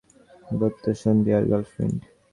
বয়ঃসন্ধি আর গার্লফ্রেন্ড?